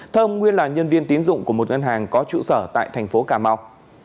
thơm nguyên là nhân viên tín dụng của một ngân hàng có trụ sở tại thành phố cà mau